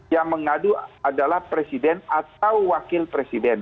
yang mengadu adalah presiden atau wakil presiden